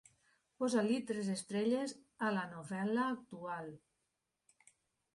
Posa-li tres estrelles a la novel·la actual